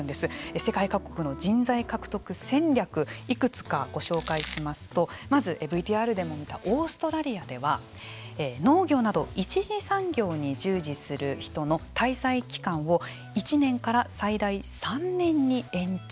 世界各国の人材獲得戦略いくつかご紹介しますとまず、ＶＴＲでも見たオーストラリアでは農業など１次産業に従事する人の滞在期間を１年から最大３年に延長。